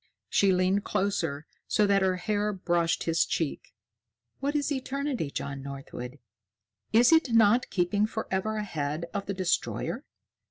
She leaned closer so that her hair brushed his cheek. "What is eternity, John Northwood? Is it not keeping forever ahead of the Destroyer?